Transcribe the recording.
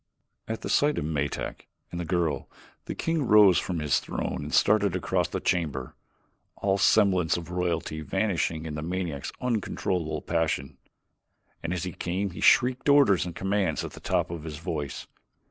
At sight of Metak and the girl, the king rose from his throne and started across the chamber, all semblance of royalty vanishing in the maniac's uncontrollable passion. And as he came he shrieked orders and commands at the top of his voice.